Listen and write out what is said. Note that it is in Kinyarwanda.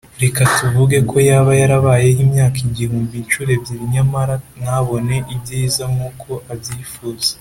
Reka tuvuge ko yaba yarabayeho imyaka igihumbi incuro ebyiri nyamara ntabone ibyiza nkuko abyifuza.